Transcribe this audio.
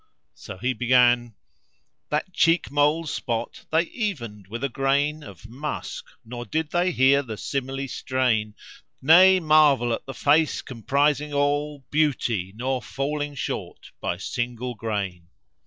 So he began:— "That cheek mole's spot they evened with a grain * Of musk, nor did they here the simile strain: Nay, marvel at the face comprising all * Beauty, nor falling short by single grain."